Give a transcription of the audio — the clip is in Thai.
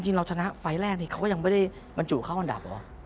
เราชนะไฟล์แรกนี่เขาก็ยังไม่ได้บรรจุเข้าอันดับเหรอ